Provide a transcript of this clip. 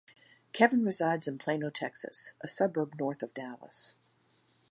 Kevin resides in Plano, Texas--a suburb north of Dallas.